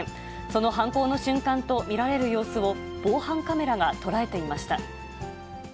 その犯行の瞬間と見られる様子を、防犯カメラが捉えていました。